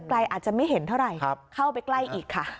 อาจจะไม่เห็นเท่าไหร่เข้าไปใกล้อีกค่ะ